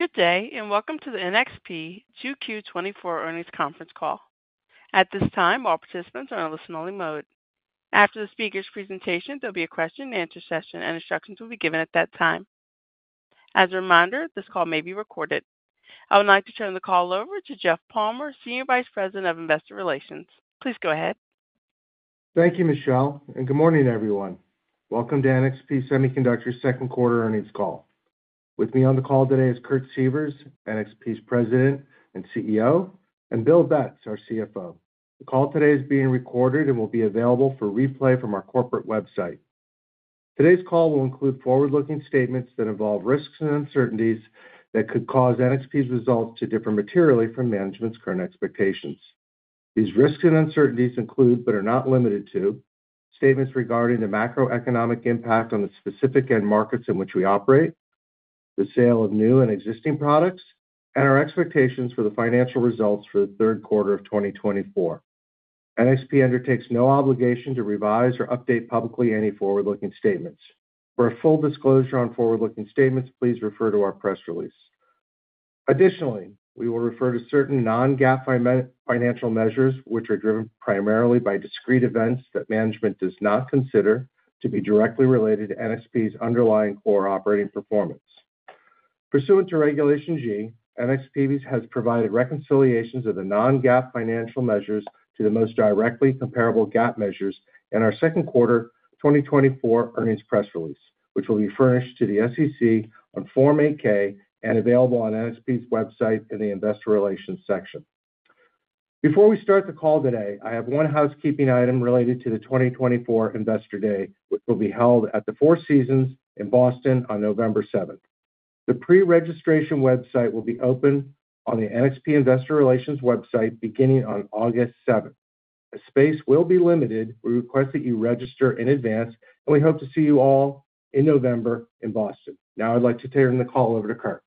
Good day, and welcome to the NXP 2Q24 earnings conference call. At this time, all participants are in a listen-only mode. After the speaker's presentation, there'll be a question-and-answer session, and instructions will be given at that time. As a reminder, this call may be recorded. I would like to turn the call over to Jeff Palmer, Senior Vice President of Investor Relations. Please go ahead. Thank you, Michelle, and good morning, everyone. Welcome to NXP Semiconductors' second quarter earnings call. With me on the call today is Kurt Sievers, NXP's President and CEO, and Bill Betz, our CFO. The call today is being recorded and will be available for replay from our corporate website. Today's call will include forward-looking statements that involve risks and uncertainties that could cause NXP's results to differ materially from management's current expectations. These risks and uncertainties include, but are not limited to, statements regarding the macroeconomic impact on the specific end markets in which we operate, the sale of new and existing products, and our expectations for the financial results for the third quarter of 2024. NXP undertakes no obligation to revise or update publicly any forward-looking statements. For a full disclosure on forward-looking statements, please refer to our press release. Additionally, we will refer to certain non-GAAP financial measures, which are driven primarily by discrete events that management does not consider to be directly related to NXP's underlying core operating performance. Pursuant to Regulation G, NXP has provided reconciliations of the non-GAAP financial measures to the most directly comparable GAAP measures in our second quarter 2024 earnings press release, which will be furnished to the SEC on Form 8-K and available on NXP's website in the Investor Relations section. Before we start the call today, I have one housekeeping item related to the 2024 Investor Day, which will be held at the Four Seasons in Boston on November 7th. The pre-registration website will be open on the NXP Investor Relations website beginning on August 7th. The space will be limited. We request that you register in advance, and we hope to see you all in November in Boston. Now, I'd like to turn the call over to Kurt.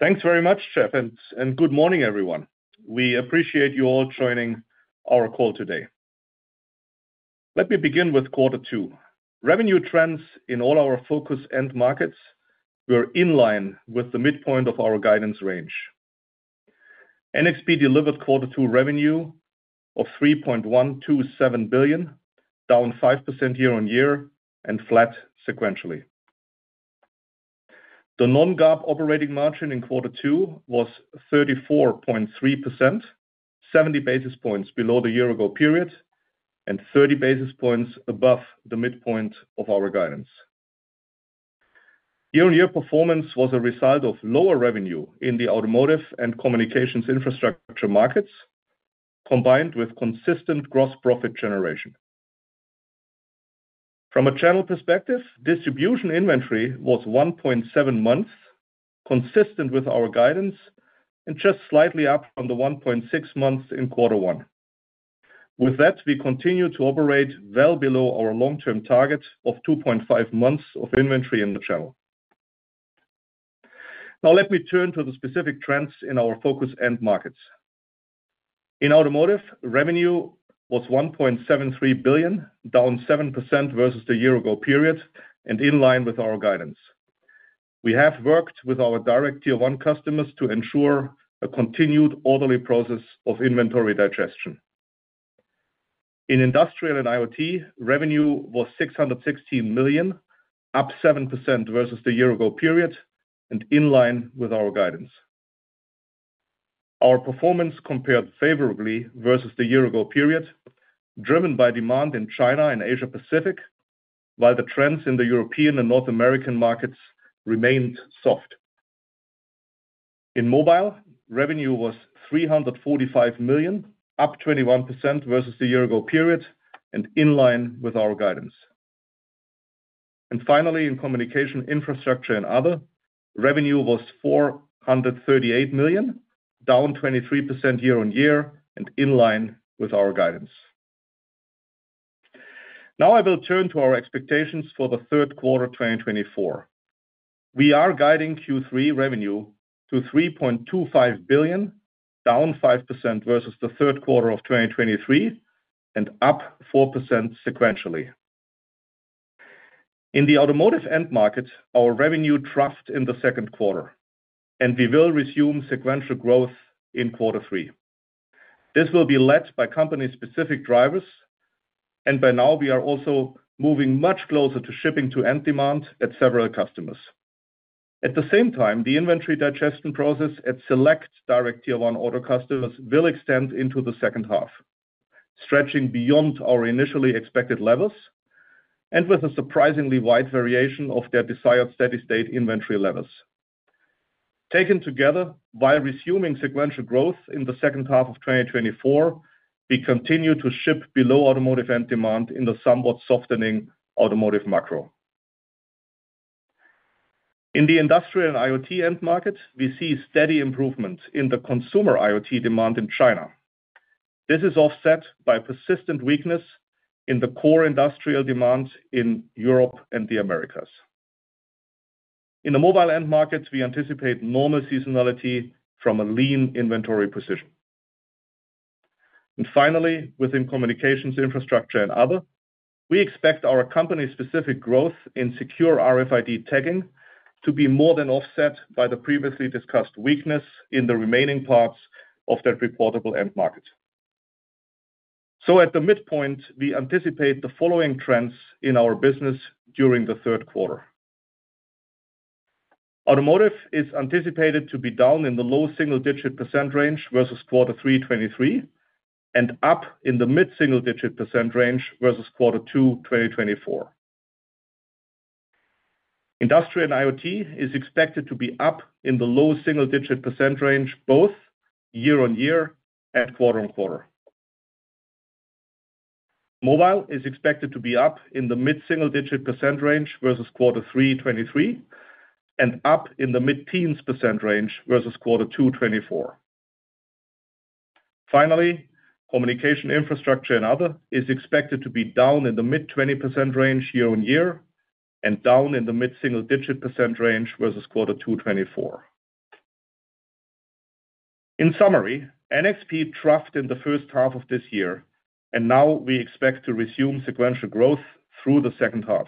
Thanks very much, Jeff, and good morning, everyone. We appreciate you all joining our call today. Let me begin with quarter two. Revenue trends in all our focus end markets were in line with the midpoint of our guidance range. NXP delivered quarter two revenue of $3.127 billion, down 5% year-on-year and flat sequentially. The non-GAAP operating margin in quarter two was 34.3%, 70 basis points below the year-ago period and 30 basis points above the midpoint of our guidance. Year-on-year performance was a result of lower revenue in the automotive and communications infrastructure markets, combined with consistent gross profit generation. From a channel perspective, distribution inventory was 1.7 months, consistent with our guidance, and just slightly up from the 1.6 months in Quarter One. With that, we continue to operate well below our long-term target of 2.5 months of inventory in the channel. Now, let me turn to the specific trends in our focus end markets. In automotive, revenue was $1.73 billion, down 7% versus the year-ago period and in line with our guidance. We have worked with our direct Tier One customers to ensure a continued orderly process of inventory digestion. In industrial and IoT, revenue was $616 million, up 7% versus the year-ago period and in line with our guidance. Our performance compared favorably versus the year-ago period, driven by demand in China and Asia-Pacific, while the trends in the European and North American markets remained soft. In mobile, revenue was $345 million, up 21% versus the year-ago period and in line with our guidance. And finally, in communication infrastructure and other, revenue was $438 million, down 23% year-over-year and in line with our guidance. Now, I will turn to our expectations for the third quarter 2024. We are guiding Q3 revenue to $3.25 billion, down 5% versus the third quarter of 2023, and up 4% sequentially. In the automotive end market, our revenue troughed in the second quarter, and we will resume sequential growth in the third quarter. This will be led by company-specific drivers, and by now, we are also moving much closer to shipping-to-end demand at several customers. At the same time, the inventory digestion process at select direct Tier 1 auto customers will extend into the second half, stretching beyond our initially expected levels and with a surprisingly wide variation of their desired steady-state inventory levels. Taken together, while resuming sequential growth in the second half of 2024, we continue to ship below automotive end demand in the somewhat softening automotive macro. In the industrial and IoT end market, we see steady improvements in the consumer IoT demand in China. This is offset by persistent weakness in the core industrial demand in Europe and the Americas. In the mobile end market, we anticipate normal seasonality from a lean inventory position. And finally, within communications infrastructure and other, we expect our company-specific growth in secure RFID tagging to be more than offset by the previously discussed weakness in the remaining parts of that reportable end market. So, at the midpoint, we anticipate the following trends in our business during the third quarter. Automotive is anticipated to be down in the low single-digit percent range versus Quarter Three 2023 and up in the mid-single-digit percent range versus quarter two 2024. Industrial and IoT is expected to be up in the low single-digit percent range both year-on-year and quarter-on-quarter. Mobile is expected to be up in the mid-single-digit percent range versus Quarter Three 2023 and up in the mid-teens percent range versus quarter two 2024. Finally, communication infrastructure and other is expected to be down in the mid-20% range year-on-year and down in the mid-single-digit percent range versus quarter two 2024. In summary, NXP troughed in the first half of this year, and now we expect to resume sequential growth through the second half.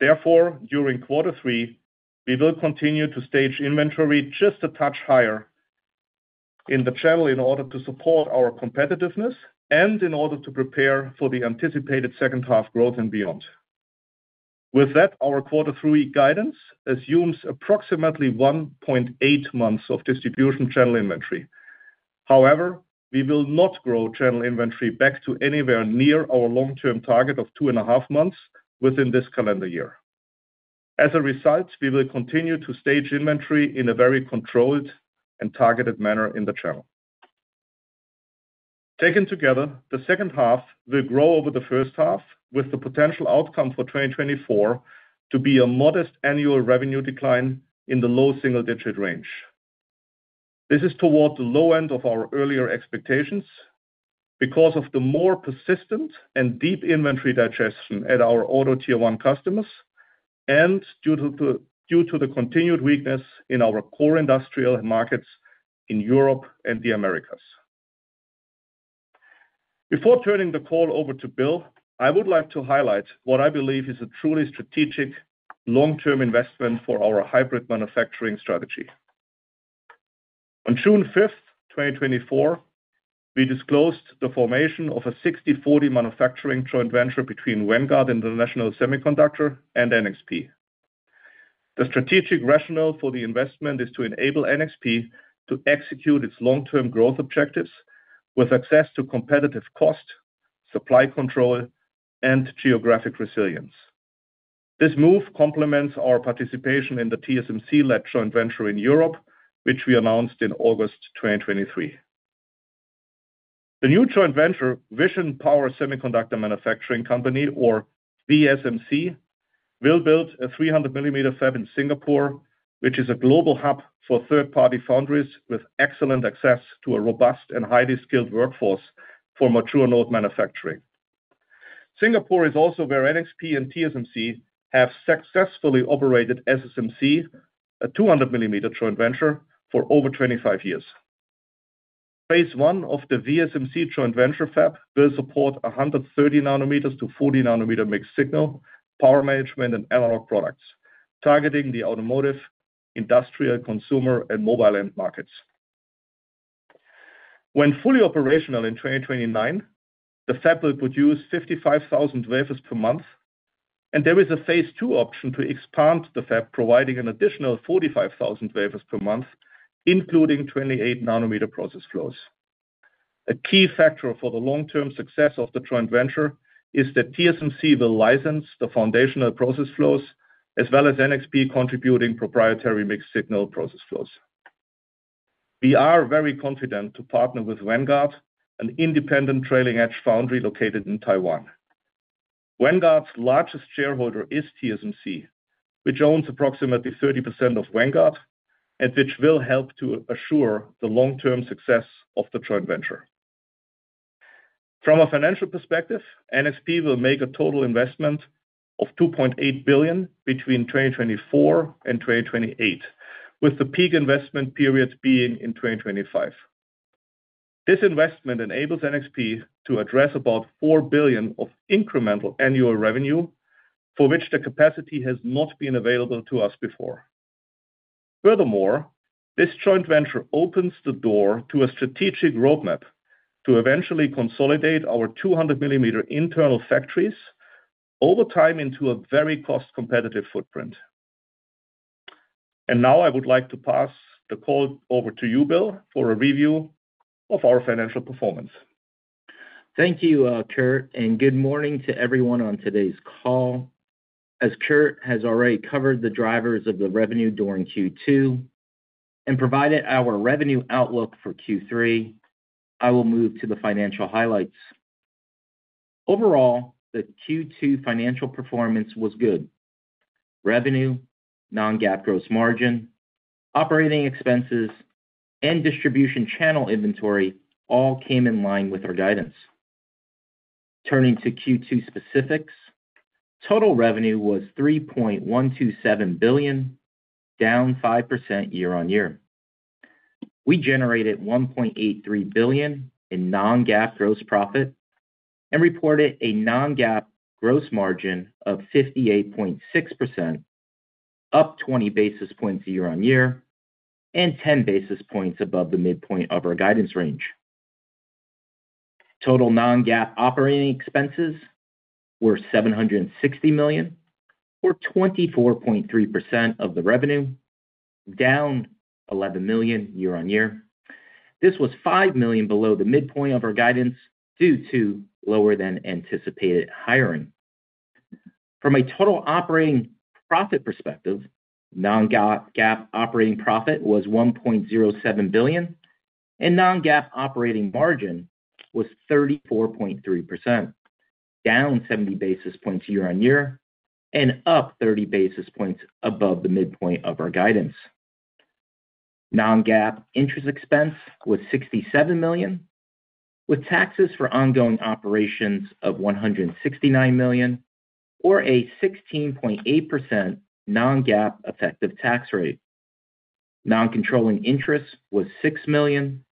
Therefore, during Quarter Three, we will continue to stage inventory just a touch higher in the channel in order to support our competitiveness and in order to prepare for the anticipated second half growth and beyond. With that, our Quarter Three guidance assumes approximately 1.8 months of distribution channel inventory. However, we will not grow channel inventory back to anywhere near our long-term target of 2.5 months within this calendar year. As a result, we will continue to stage inventory in a very controlled and targeted manner in the channel. Taken together, the second half will grow over the first half, with the potential outcome for 2024 to be a modest annual revenue decline in the low single-digit range. This is toward the low end of our earlier expectations because of the more persistent and deep inventory digestion at our auto Tier One customers and due to the continued weakness in our core industrial markets in Europe and the Americas. Before turning the call over to Bill, I would like to highlight what I believe is a truly strategic long-term investment for our hybrid manufacturing strategy. On June 5th, 2024, we disclosed the formation of a 60/40 manufacturing joint venture between Vanguard International Semiconductor and NXP. The strategic rationale for the investment is to enable NXP to execute its long-term growth objectives with access to competitive cost, supply control, and geographic resilience. This move complements our participation in the TSMC-led joint venture in Europe, which we announced in August 2023. The new joint venture, Vanguard Semiconductor Manufacturing Company, or VSMC, will build a 300 mm fab in Singapore, which is a global hub for third-party foundries with excellent access to a robust and highly skilled workforce for mature node manufacturing. Singapore is also where NXP and TSMC have successfully operated SSMC, a 200 mm joint venture, for over 25 years. Phase one of the VSMC joint venture fab will support 130 nm to 40 nm mixed-signal power management and analog products, targeting the automotive, industrial, consumer, and mobile end markets. When fully operational in 2029, the fab will produce 55,000 wafers per month, and there is a phase two option to expand the fab, providing an additional 45,000 wafers per month, including 28-nanometer process flows. A key factor for the long-term success of the joint venture is that TSMC will license the foundational process flows, as well as NXP contributing proprietary mixed-signal process flows. We are very confident to partner with Vanguard, an independent trailing-edge foundry located in Taiwan. Vanguard's largest shareholder is TSMC, which owns approximately 30% of Vanguard, and which will help to assure the long-term success of the joint venture. From a financial perspective, NXP will make a total investment of $2.8 billion between 2024 and 2028, with the peak investment period being in 2025. This investment enables NXP to address about $4 billion of incremental annual revenue, for which the capacity has not been available to us before. Furthermore, this joint venture opens the door to a strategic roadmap to eventually consolidate our 200-millimeter internal factories over time into a very cost-competitive footprint. And now, I would like to pass the call over to you, Bill, for a review of our financial performance. Thank you, Kurt, and good morning to everyone on today's call. As Kurt has already covered the drivers of the revenue during Q2 and provided our revenue outlook for Q3, I will move to the financial highlights. Overall, the Q2 financial performance was good. Revenue, non-GAAP gross margin, operating expenses, and distribution channel inventory all came in line with our guidance. Turning to Q2 specifics, total revenue was $3.127 billion, down 5% year-on-year. We generated $1.83 billion in non-GAAP gross profit and reported a non-GAAP gross margin of 58.6%, up 20 basis points year-on-year and 10 basis points above the midpoint of our guidance range. Total non-GAAP operating expenses were $760 million, or 24.3% of the revenue, down $11 million year-on-year. This was $5 million below the midpoint of our guidance due to lower-than-anticipated hiring. From a total operating profit perspective, non-GAAP operating profit was $1.07 billion, and non-GAAP operating margin was 34.3%, down 70 basis points year-on-year and up 30 basis points above the midpoint of our guidance. Non-GAAP interest expense was $67 million, with taxes for ongoing operations of $169 million, or a 16.8% non-GAAP effective tax rate. Non-controlling interest was $6 million,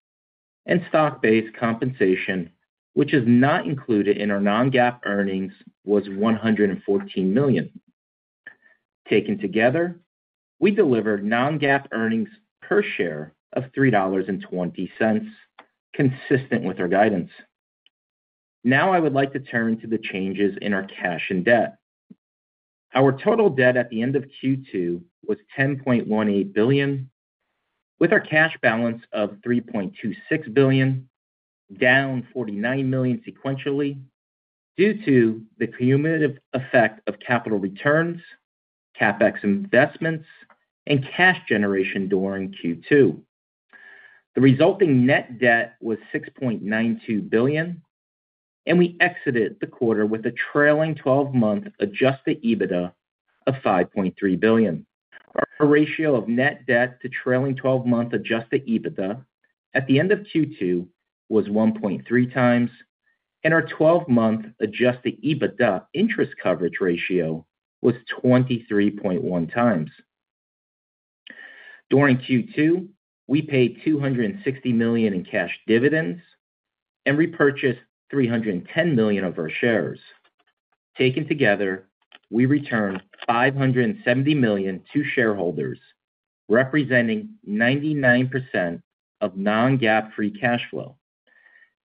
and stock-based compensation, which is not included in our non-GAAP earnings, was $114 million. Taken together, we delivered non-GAAP earnings per share of $3.20, consistent with our guidance. Now, I would like to turn to the changes in our cash and debt. Our total debt at the end of Q2 was $10.18 billion, with our cash balance of $3.26 billion, down $49 million sequentially due to the cumulative effect of capital returns, CapEx investments, and cash generation during Q2. The resulting net debt was $6.92 billion, and we exited the quarter with a trailing 12-month Adjusted EBITDA of $5.3 billion. Our ratio of net debt to trailing 12-month Adjusted EBITDA at the end of Q2 was 1.3 times, and our 12-month Adjusted EBITDA interest coverage ratio was 23.1 times. During Q2, we paid $260 million in cash dividends and repurchased $310 million of our shares. Taken together, we returned $570 million to shareholders, representing 99% of non-GAAP free cash flow.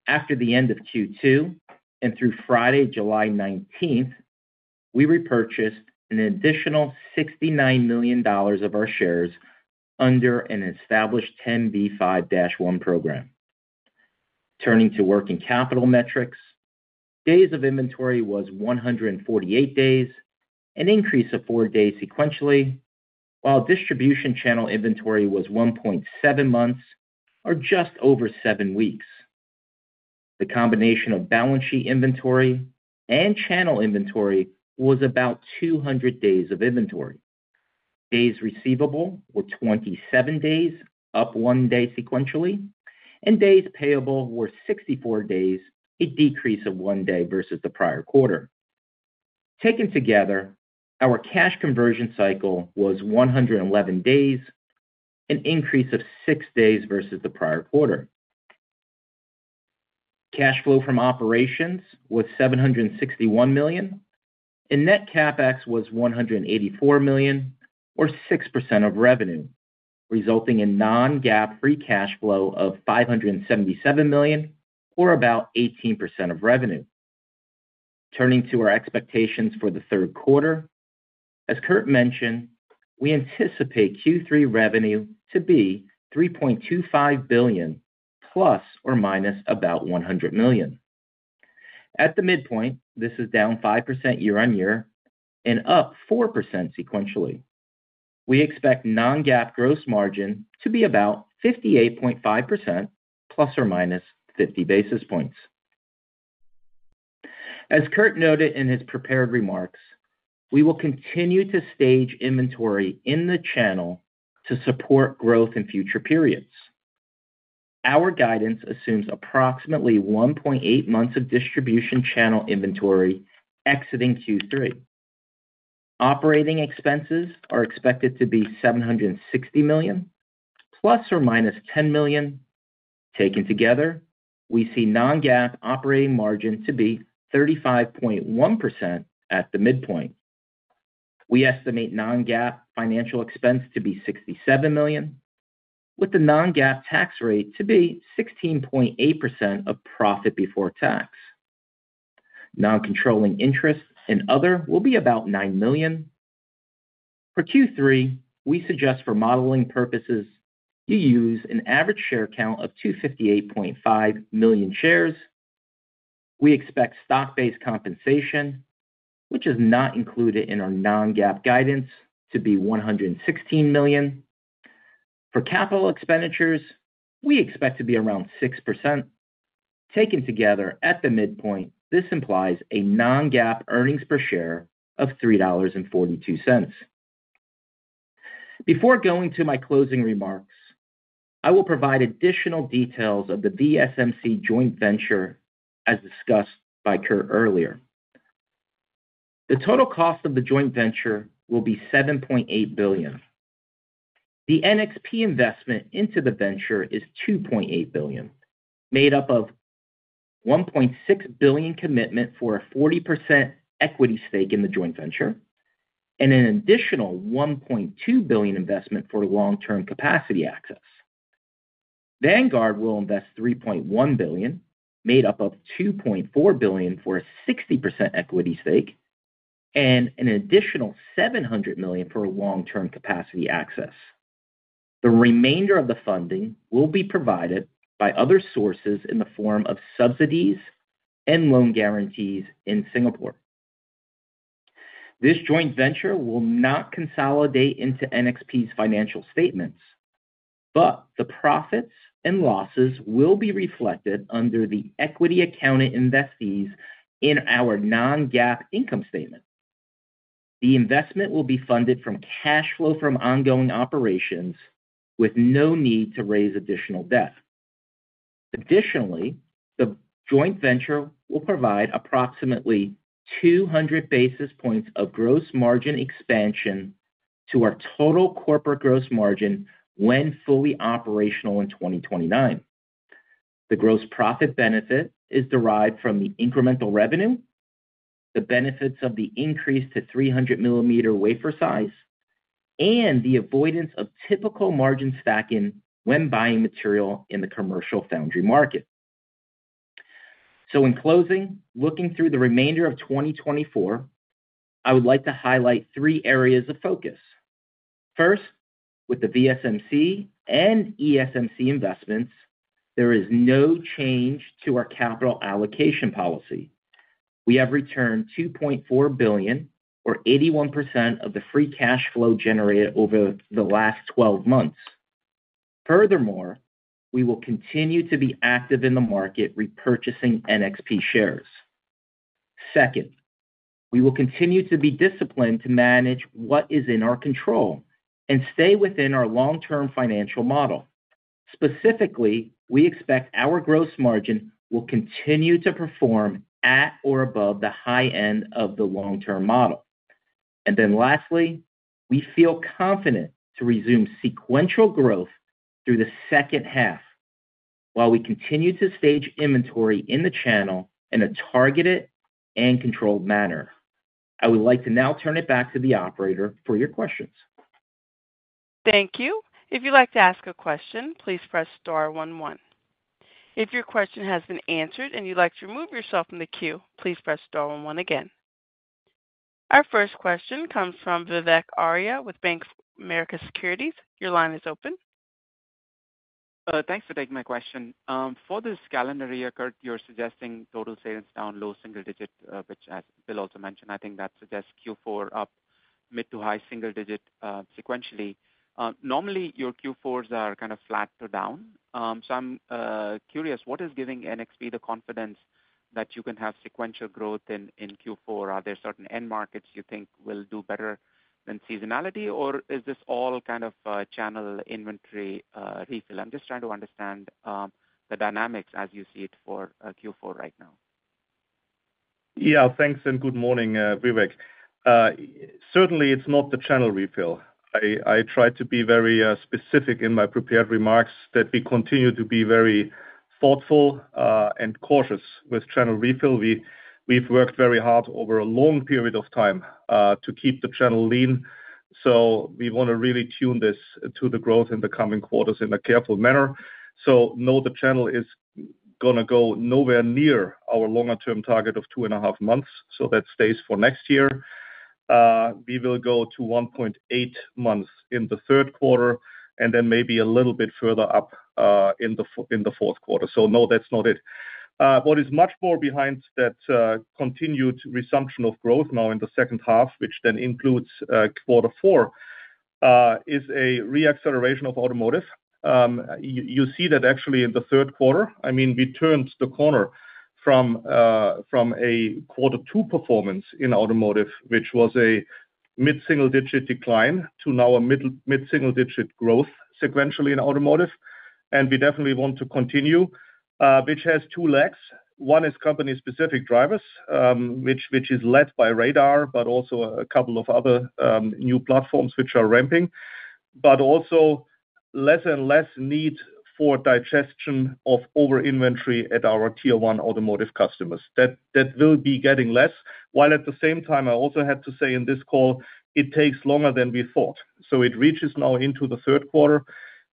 After the end of Q2 and through Friday, July 19th, we repurchased an additional $69 million of our shares under an established 10b5-1 program. Turning to working capital metrics, days of inventory was 148 days, an increase of 4 days sequentially, while distribution channel inventory was 1.7 months, or just over 7 weeks. The combination of balance sheet inventory and channel inventory was about 200 days of inventory. Days receivable were 27 days, up one day sequentially, and days payable were 64 days, a decrease of one day versus the prior quarter. Taken together, our cash conversion cycle was 111 days, an increase of six days versus the prior quarter. Cash flow from operations was $761 million, and net CapEx was $184 million, or 6% of revenue, resulting in non-GAAP free cash flow of $577 million, or about 18% of revenue. Turning to our expectations for the third quarter, as Kurt mentioned, we anticipate Q3 revenue to be $3.25 billion ± $100 million. At the midpoint, this is down 5% year-on-year and up 4% sequentially. We expect non-GAAP gross margin to be about 58.5% ± 50 basis points. As Kurt noted in his prepared remarks, we will continue to stage inventory in the channel to support growth in future periods. Our guidance assumes approximately 1.8 months of distribution channel inventory exiting Q3. Operating expenses are expected to be $760 million ± $10 million. Taken together, we see non-GAAP operating margin to be 35.1% at the midpoint. We estimate non-GAAP financial expense to be $67 million, with the non-GAAP tax rate to be 16.8% of profit before tax. Non-controlling interest and other will be about $9 million. For Q3, we suggest for modeling purposes, you use an average share count of 258.5 million shares. We expect stock-based compensation, which is not included in our non-GAAP guidance, to be $116 million. For capital expenditures, we expect to be around 6%. Taken together, at the midpoint, this implies a non-GAAP earnings per share of $3.42. Before going to my closing remarks, I will provide additional details of the VSMC joint venture as discussed by Kurt earlier. The total cost of the joint venture will be $7.8 billion. The NXP investment into the venture is $2.8 billion, made up of $1.6 billion commitment for a 40% equity stake in the joint venture and an additional $1.2 billion investment for long-term capacity access. Vanguard will invest $3.1 billion, made up of $2.4 billion for a 60% equity stake and an additional $700 million for long-term capacity access. The remainder of the funding will be provided by other sources in the form of subsidies and loan guarantees in Singapore. This joint venture will not consolidate into NXP's financial statements, but the profits and losses will be reflected under the equity-accounted investees in our non-GAAP income statement. The investment will be funded from cash flow from ongoing operations, with no need to raise additional debt. Additionally, the joint venture will provide approximately 200 basis points of gross margin expansion to our total corporate gross margin when fully operational in 2029. The gross profit benefit is derived from the incremental revenue, the benefits of the increase to 300-millimeter wafer size, and the avoidance of typical margin stacking when buying material in the commercial foundry market. So in closing, looking through the remainder of 2024, I would like to highlight three areas of focus. First, with the VSMC and ESMC investments, there is no change to our capital allocation policy. We have returned $2.4 billion, or 81% of the free cash flow generated over the last 12 months. Furthermore, we will continue to be active in the market repurchasing NXP shares. Second, we will continue to be disciplined to manage what is in our control and stay within our long-term financial model. Specifically, we expect our gross margin will continue to perform at or above the high end of the long-term model. Then lastly, we feel confident to resume sequential growth through the second half while we continue to stage inventory in the channel in a targeted and controlled manner. I would like to now turn it back to the operator for your questions. Thank you. If you'd like to ask a question, please press star 11. If your question has been answered and you'd like to remove yourself from the queue, please press star 11 again. Our first question comes from Vivek Arya with Bank of America Securities. Your line is open. Thanks for taking my question. For this calendar year, Kurt, you're suggesting total sales down low single digit, which Bill also mentioned. I think that suggests Q4 up mid to high single digit sequentially. Normally, your Q4s are kind of flat to down. So I'm curious, what is giving NXP the confidence that you can have sequential growth in Q4? Are there certain end markets you think will do better than seasonality, or is this all kind of channel inventory refill? I'm just trying to understand the dynamics as you see it for Q4 right now. Yeah, thanks and good morning, Vivek. Certainly, it's not the channel refill. I tried to be very specific in my prepared remarks that we continue to be very thoughtful and cautious with channel refill. We've worked very hard over a long period of time to keep the channel lean. We want to really tune this to the growth in the coming quarters in a careful manner. No, the channel is going to go nowhere near our longer-term target of 2.5 months. That stays for next year. We will go to 1.8 months in the third quarter and then maybe a little bit further up in the fourth quarter. No, that's not it. What is much more behind that continued resumption of growth now in the second half, which then includes quarter four, is a reacceleration of automotive. You see that actually in the third quarter. I mean, we turned the corner from a quarter two performance in automotive, which was a mid-single digit decline, to now a mid-single digit growth sequentially in automotive. And we definitely want to continue, which has two legs. One is company-specific drivers, which is led by radar, but also a couple of other new platforms which are ramping, but also less and less need for digestion of over-inventory at our Tier 1 automotive customers. That will be getting less. While at the same time, I also had to say in this call, it takes longer than we thought. So it reaches now into the third quarter.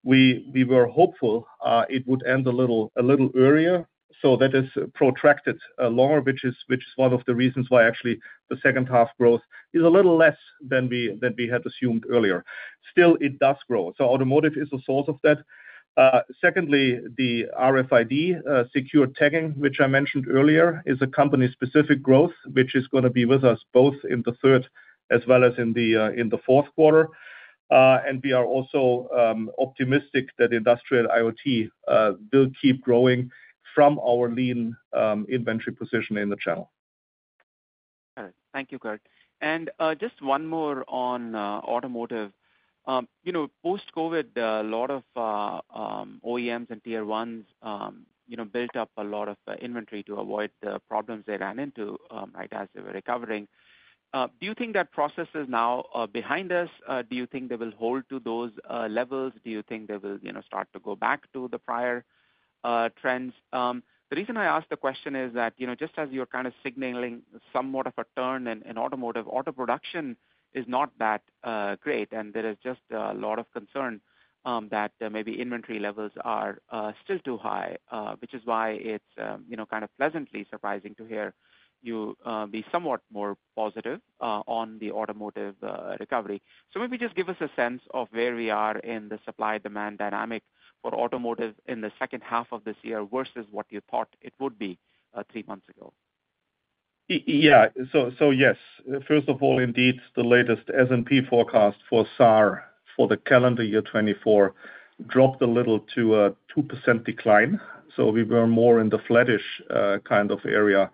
We were hopeful it would end a little earlier. So that has protracted longer, which is one of the reasons why actually the second half growth is a little less than we had assumed earlier. Still, it does grow. Automotive is the source of that. Secondly, the RFID secure tagging, which I mentioned earlier, is a company-specific growth, which is going to be with us both in the third as well as in the fourth quarter. We are also optimistic that industrial IoT will keep growing from our lean inventory position in the channel. Thank you, Kurt. And just one more on automotive. Post-COVID, a lot of OEMs and Tier 1s built up a lot of inventory to avoid the problems they ran into right as they were recovering. Do you think that process is now behind us? Do you think they will hold to those levels? Do you think they will start to go back to the prior trends? The reason I ask the question is that just as you're kind of signaling somewhat of a turn in automotive, auto production is not that great, and there is just a lot of concern that maybe inventory levels are still too high, which is why it's kind of pleasantly surprising to hear you be somewhat more positive on the automotive recovery. Maybe just give us a sense of where we are in the supply-demand dynamic for automotive in the second half of this year versus what you thought it would be three months ago? Yeah. So yes. First of all, indeed, the latest S&P forecast for SAAR for the calendar year 2024 dropped a little to a 2% decline. So we were more in the flattish kind of area,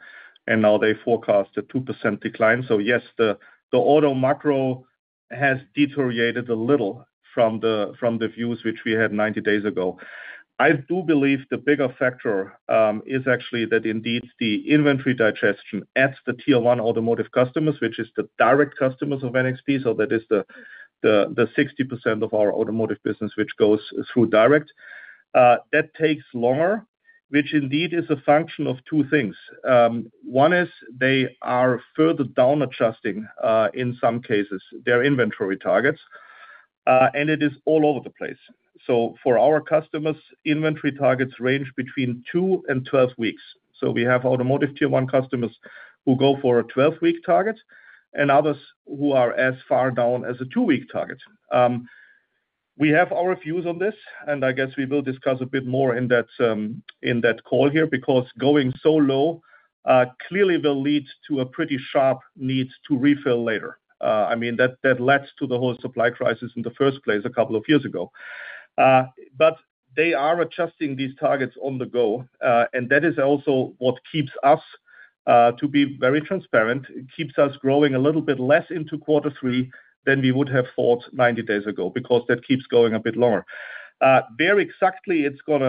and now they forecast a 2% decline. So yes, the auto macro has deteriorated a little from the views which we had 90 days ago. I do believe the bigger factor is actually that indeed the inventory digestion at the Tier 1 automotive customers, which is the direct customers of NXP, so that is the 60% of our automotive business which goes through direct. That takes longer, which indeed is a function of two things. One is they are further down adjusting in some cases their inventory targets, and it is all over the place. So for our customers, inventory targets range between two and 12 weeks. So we have automotive Tier 1 customers who go for a 12-week target and others who are as far down as a 2-week target. We have our views on this, and I guess we will discuss a bit more in that call here because going so low clearly will lead to a pretty sharp need to refill later. I mean, that led to the whole supply crisis in the first place a couple of years ago. But they are adjusting these targets on the go, and that is also what keeps us, to be very transparent, keeps us growing a little bit less into quarter three than we would have thought 90 days ago because that keeps going a bit longer. Where exactly it's going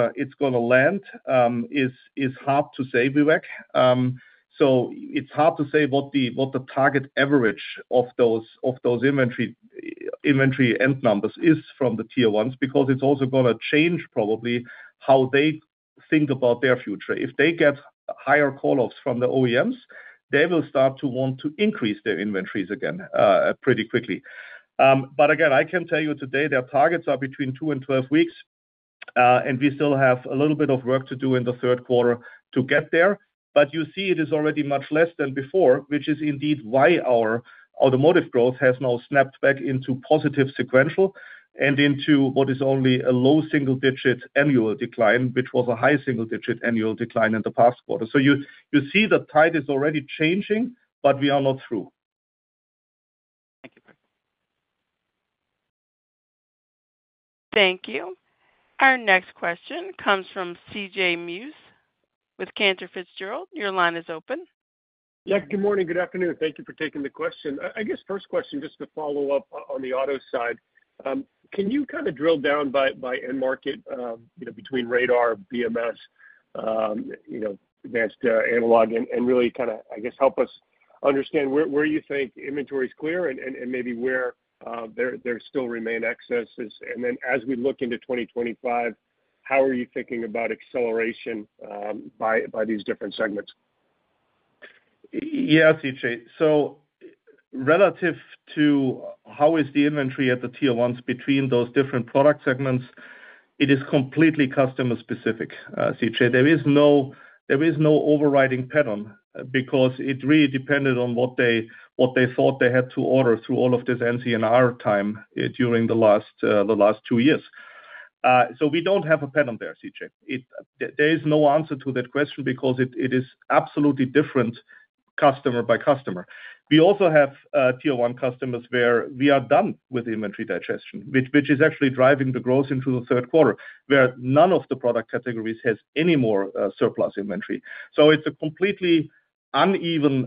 to land is hard to say, Vivek. So it's hard to say what the target average of those inventory end numbers is from the Tier 1s because it's also going to change probably how they think about their future. If they get higher call-offs from the OEMs, they will start to want to increase their inventories again pretty quickly. But again, I can tell you today their targets are between 2 and 12 weeks, and we still have a little bit of work to do in the third quarter to get there. But you see it is already much less than before, which is indeed why our automotive growth has now snapped back into positive sequential and into what is only a low single-digit annual decline, which was a high single-digit annual decline in the past quarter. So you see the tide is already changing, but we are not through. Thank you, Kurt. Thank you. Our next question comes from CJ Muse with Cantor Fitzgerald. Your line is open. Yep. Good morning. Good afternoon. Thank you for taking the question. I guess first question, just to follow up on the auto side, can you kind of drill down by end market between radar, BMS, advanced analog, and really kind of, I guess, help us understand where you think inventory is clear and maybe where there still remain excesses? And then as we look into 2025, how are you thinking about acceleration by these different segments? Yeah, CJ. So relative to how is the inventory at the tier ones between those different product segments, it is completely customer-specific, CJ. There is no overriding pattern because it really depended on what they thought they had to order through all of this NCNR time during the last two years. So we don't have a pattern there, CJ. There is no answer to that question because it is absolutely different customer by customer. We also have tier one customers where we are done with inventory digestion, which is actually driving the growth into the third quarter where none of the product categories has any more surplus inventory. So it's a completely uneven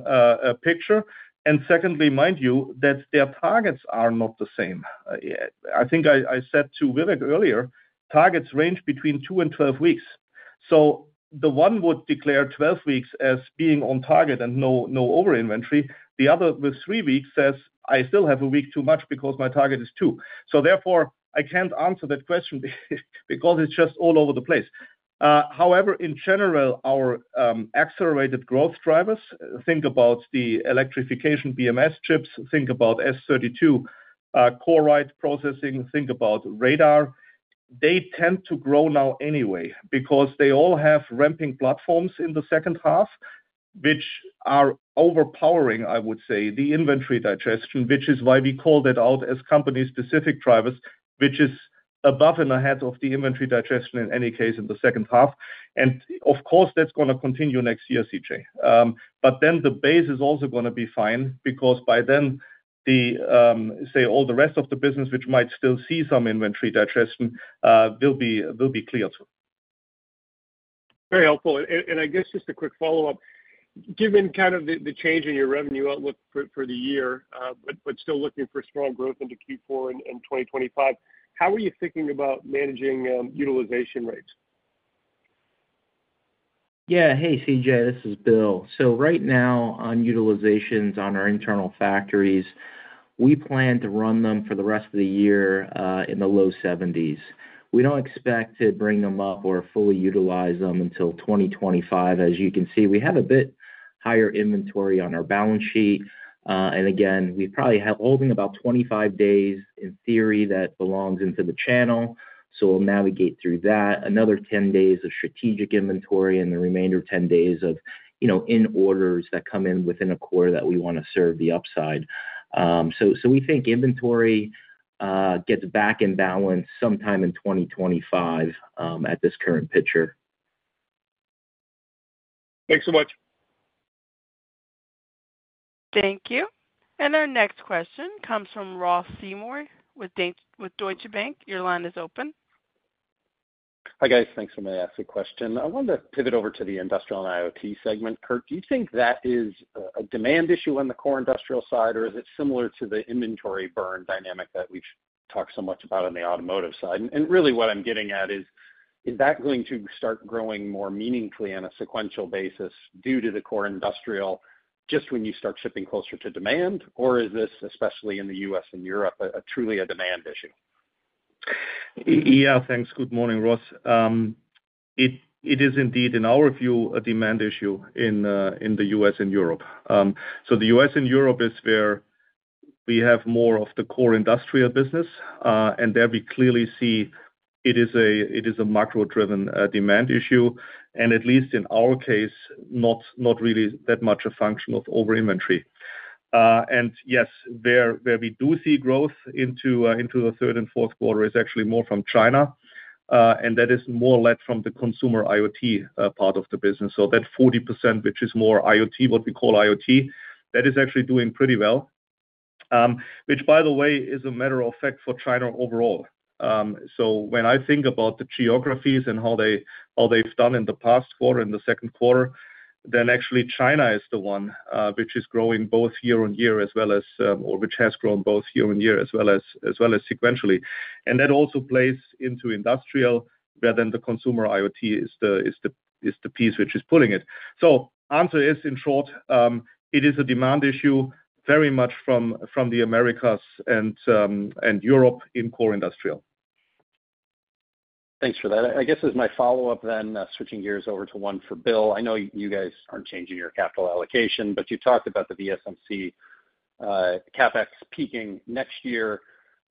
picture. And secondly, mind you, that their targets are not the same. I think I said to Vivek earlier, targets range between 2 and 12 weeks. So the one would declare 12 weeks as being on target and no over-inventory. The other with 3 weeks says, "I still have a week too much because my target is 2." So therefore, I can't answer that question because it's just all over the place. However, in general, our accelerated growth drivers, think about the electrification BMS chips, think about S32, scalable processing, think about radar. They tend to grow now anyway because they all have ramping platforms in the second half, which are overpowering, I would say, the inventory digestion, which is why we call that out as company-specific drivers, which is above and ahead of the inventory digestion in any case in the second half. And of course, that's going to continue next year, CJ. But then the base is also going to be fine because by then, say, all the rest of the business, which might still see some inventory digestion, will be clear too. Very helpful. I guess just a quick follow-up. Given kind of the change in your revenue outlook for the year, but still looking for strong growth into Q4 and 2025, how are you thinking about managing utilization rates? Yeah. Hey, CJ, this is Bill. So right now, on utilizations on our internal factories, we plan to run them for the rest of the year in the low 70s. We don't expect to bring them up or fully utilize them until 2025. As you can see, we have a bit higher inventory on our balance sheet. And again, we probably have holding about 25 days in theory that belongs into the channel. So we'll navigate through that. Another 10 days of strategic inventory and the remainder 10 days of in orders that come in within a quarter that we want to serve the upside. So we think inventory gets back in balance sometime in 2025 at this current picture. Thanks so much. Thank you. Our next question comes from Ross Seymore with Deutsche Bank. Your line is open. Hi guys. Thanks for my asked question. I wanted to pivot over to the industrial and IoT segment. Kurt, do you think that is a demand issue on the core industrial side, or is it similar to the inventory burn dynamic that we've talked so much about on the automotive side? And really what I'm getting at is, is that going to start growing more meaningfully on a sequential basis due to the core industrial just when you start shipping closer to demand, or is this, especially in the U.S. and Europe, truly a demand issue? Yeah. Thanks. Good morning, Ross. It is indeed, in our view, a demand issue in the U.S. and Europe. So the U.S. and Europe is where we have more of the core industrial business, and there we clearly see it is a macro-driven demand issue, and at least in our case, not really that much a function of over-inventory. And yes, where we do see growth into the third and fourth quarter is actually more from China, and that is more led from the consumer IoT part of the business. So that 40%, which is more IoT, what we call IoT, that is actually doing pretty well, which, by the way, is a matter of fact for China overall. So when I think about the geographies and how they've done in the past quarter, in the second quarter, then actually China is the one which is growing both year-on-year as well as, or which has grown both year-on-year as well as sequentially. And that also plays into industrial, where then the consumer IoT is the piece which is pulling it. So answer is, in short, it is a demand issue very much from the Americas and Europe in core industrial. Thanks for that. I guess as my follow-up then, switching gears over to one for Bill, I know you guys aren't changing your capital allocation, but you talked about the VSMC CapEx peaking next year.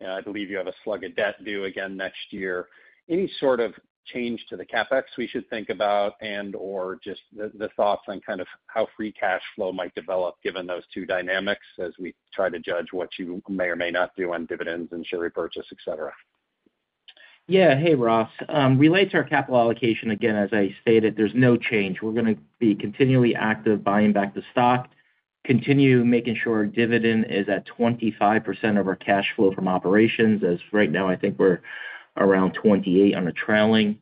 I believe you have a slug of debt due again next year. Any sort of change to the CapEx we should think about and/or just the thoughts on kind of how free cash flow might develop given those two dynamics as we try to judge what you may or may not do on dividends and share repurchase, etc.? Yeah. Hey, Ross. Related to our capital allocation, again, as I stated, there's no change. We're going to be continually active buying back the stock, continue making sure dividend is at 25% of our cash flow from operations. As right now, I think we're around 28% on a trailing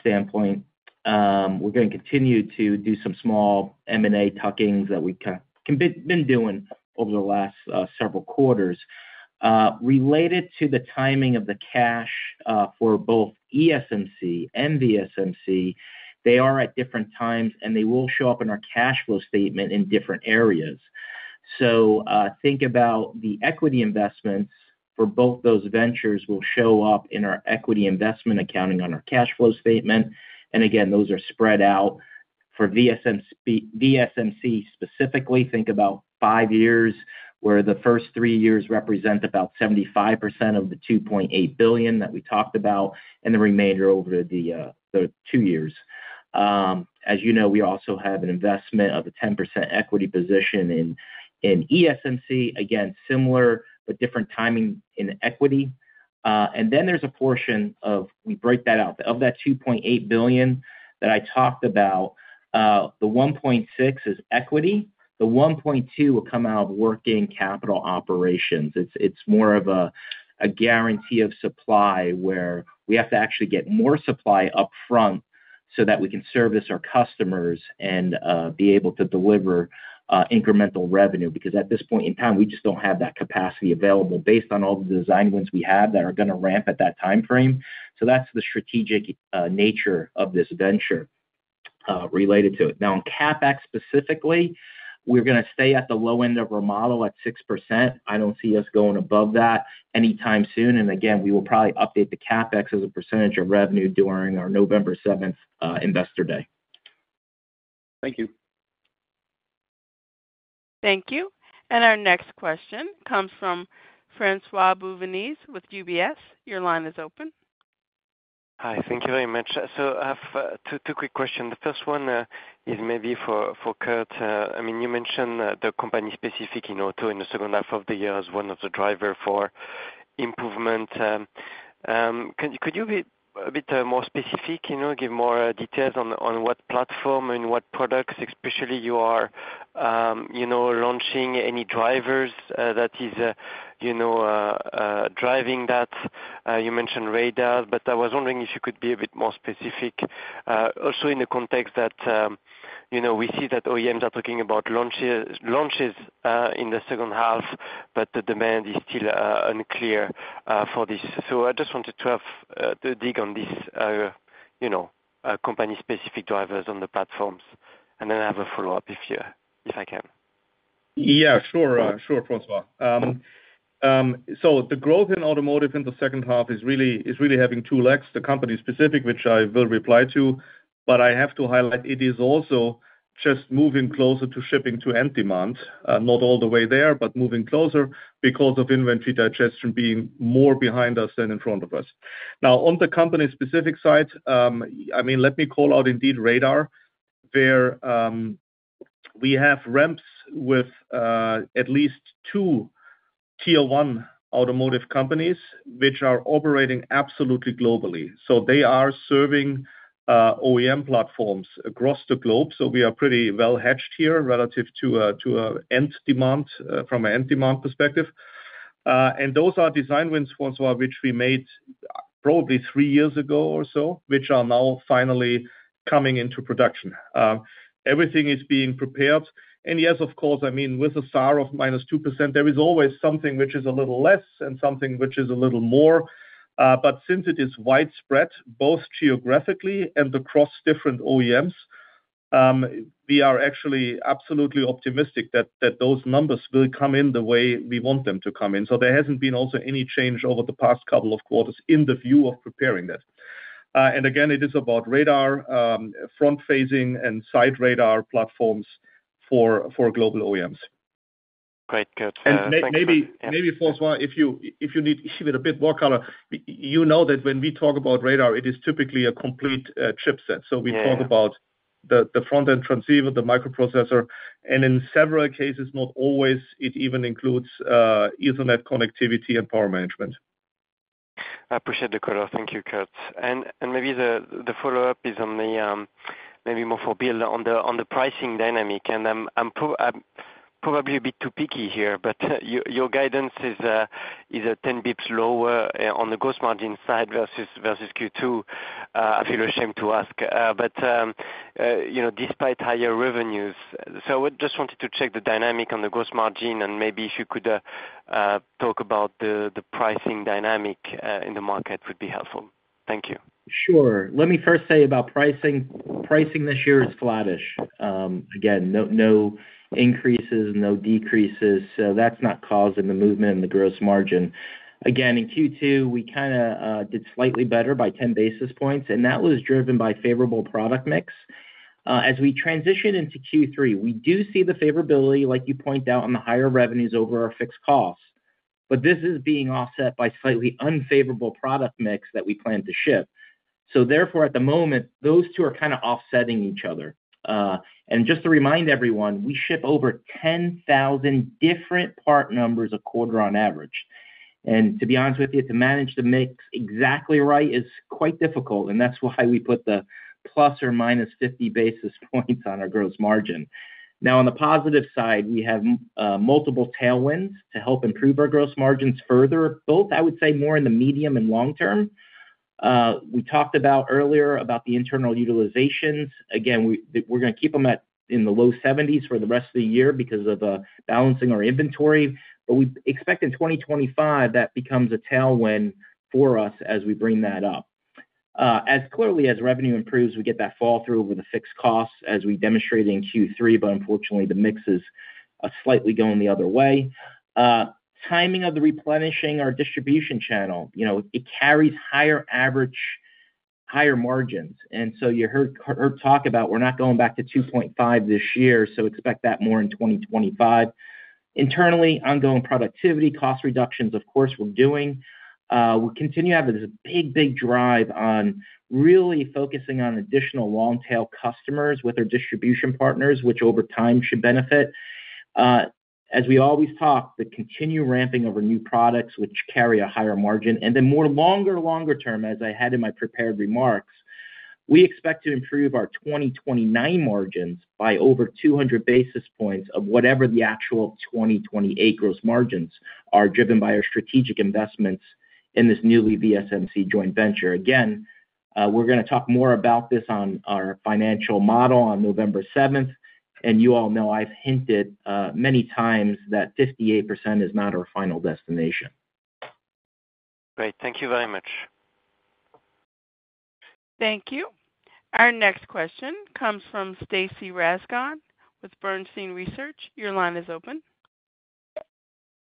standpoint. We're going to continue to do some small M&A tuckings that we've been doing over the last several quarters. Related to the timing of the cash for both ESMC and VSMC, they are at different times, and they will show up in our cash flow statement in different areas. So think about the equity investments for both those ventures will show up in our equity investment accounting on our cash flow statement. And again, those are spread out for VSMC specifically. Think about five years where the first three years represent about 75% of the $2.8 billion that we talked about and the remainder over the two years. As you know, we also have an investment of a 10% equity position in ESMC, again, similar but different timing in equity. And then there's a portion of, we break that out, of that $2.8 billion that I talked about, the $1.6 billion is equity. The $1.2 billion will come out of working capital operations. It's more of a guarantee of supply where we have to actually get more supply upfront so that we can service our customers and be able to deliver incremental revenue because at this point in time, we just don't have that capacity available based on all the design wins we have that are going to ramp at that time frame. That's the strategic nature of this venture related to it. Now, on CapEx specifically, we're going to stay at the low end of our model at 6%. I don't see us going above that anytime soon. Again, we will probably update the CapEx as a percentage of revenue during our November 7th Investor Day. Thank you. Thank you. Our next question comes from François-Xavier Bouvignies with UBS. Your line is open. Hi. Thank you very much. So I have two quick questions. The first one is maybe for Kurt. I mean, you mentioned the company specific in auto in the second half of the year as one of the drivers for improvement. Could you be a bit more specific, give more details on what platform and what products especially you are launching, any drivers that is driving that? You mentioned radar, but I was wondering if you could be a bit more specific also in the context that we see that OEMs are talking about launches in the second half, but the demand is still unclear for this. So I just wanted to dig on these company-specific drivers on the platforms. And then I have a follow-up if I can. Yeah, sure. Sure, François. So the growth in automotive in the second half is really having two legs, the company-specific, which I will reply to. But I have to highlight it is also just moving closer to shipping to end demand, not all the way there, but moving closer because of inventory digestion being more behind us than in front of us. Now, on the company-specific side, I mean, let me call out indeed radar where we have ramps with at least 2 Tier 1 automotive companies which are operating absolutely globally. So they are serving OEM platforms across the globe. So we are pretty well hedged here relative to end demand from an end demand perspective. And those are design wins, François, which we made probably 3 years ago or so, which are now finally coming into production. Everything is being prepared. Yes, of course, I mean, with a SAAR of -2%, there is always something which is a little less and something which is a little more. But since it is widespread both geographically and across different OEMs, we are actually absolutely optimistic that those numbers will come in the way we want them to come in. So there hasn't been also any change over the past couple of quarters in the view of preparing this. And again, it is about radar, front-facing, and side radar platforms for global OEMs. Great. Good. And maybe, François, if you need to give it a bit more color, you know that when we talk about radar, it is typically a complete chipset. So we talk about the front-end transceiver, the microprocessor, and in several cases, not always, it even includes Ethernet connectivity and power management. I appreciate the cutoff. Thank you, Kurt. Maybe the follow-up is maybe more for Bill on the pricing dynamic. I'm probably a bit too picky here, but your guidance is 10 basis points lower on the gross margin side versus Q2. I feel ashamed to ask, but despite higher revenues. I just wanted to check the dynamic on the gross margin, and maybe if you could talk about the pricing dynamic in the market would be helpful. Thank you. Sure. Let me first say about pricing. Pricing this year is flattish. Again, no increases, no decreases. So that's not causing the movement in the gross margin. Again, in Q2, we kind of did slightly better by 10 basis points, and that was driven by favorable product mix. As we transition into Q3, we do see the favorability, like you point out, on the higher revenues over our fixed costs. But this is being offset by slightly unfavorable product mix that we plan to ship. So therefore, at the moment, those two are kind of offsetting each other. And just to remind everyone, we ship over 10,000 different part numbers a quarter on average. And to be honest with you, to manage the mix exactly right is quite difficult, and that's why we put the plus or minus 50 basis points on our gross margin. Now, on the positive side, we have multiple tailwinds to help improve our gross margins further. Both, I would say, more in the medium and long term. We talked about earlier about the internal utilizations. Again, we're going to keep them in the low 70s for the rest of the year because of balancing our inventory. But we expect in 2025 that becomes a tailwind for us as we bring that up. As clearly as revenue improves, we get that fall through over the fixed costs as we demonstrated in Q3, but unfortunately, the mix is slightly going the other way. Timing of the replenishing or distribution channel, it carries higher average margins. And so you heard talk about we're not going back to 2.5 this year, so expect that more in 2025. Internally, ongoing productivity, cost reductions, of course, we're doing. We continue to have this big, big drive on really focusing on additional long-tail customers with our distribution partners, which over time should benefit. As we always talk, the continued ramping of our new products, which carry a higher margin, and then more longer term, as I had in my prepared remarks, we expect to improve our 2029 margins by over 200 basis points of whatever the actual 2028 gross margins are driven by our strategic investments in this newly VSMC joint venture. Again, we're going to talk more about this on our financial model on November 7th. You all know I've hinted many times that 58% is not our final destination. Great. Thank you very much. Thank you. Our next question comes from Stacy Rasgon with Bernstein Research. Your line is open.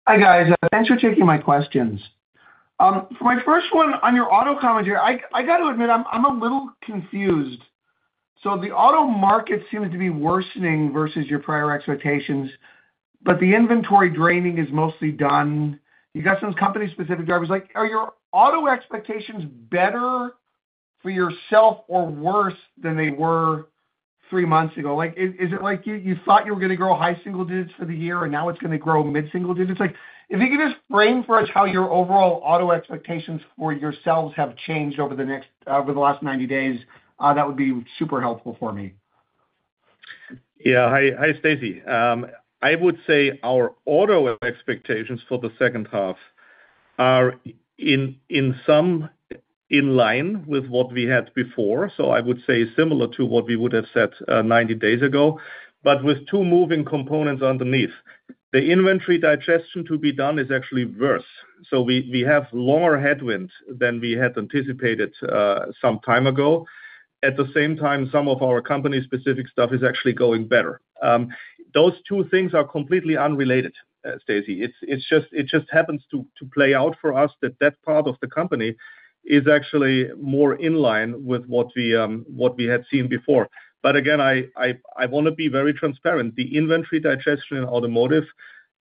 Hi guys. Thanks for taking my questions. For my first one on your auto commentary, I got to admit I'm a little confused. So the auto market seems to be worsening versus your prior expectations, but the inventory draining is mostly done. You got some company-specific drivers. Are your auto expectations better for yourself or worse than they were three months ago? Is it like you thought you were going to grow high single digits for the year, and now it's going to grow mid-single digits? If you could just frame for us how your overall auto expectations for yourselves have changed over the last 90 days, that would be super helpful for me. Yeah. Hi, Stacey. I would say our auto expectations for the second half are in line with what we had before. So I would say similar to what we would have said 90 days ago, but with two moving components underneath. The inventory digestion to be done is actually worse. So we have longer headwinds than we had anticipated some time ago. At the same time, some of our company-specific stuff is actually going better. Those two things are completely unrelated, Stacey. It just happens to play out for us that that part of the company is actually more in line with what we had seen before. But again, I want to be very transparent. The inventory digestion in automotive